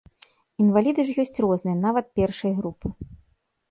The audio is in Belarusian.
Інваліды ж ёсць розныя, нават першай групы.